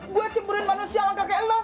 gue cemburan manusia langkah kayak lu